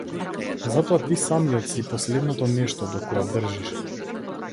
Затоа ти самиот си последното нешто до кое држиш.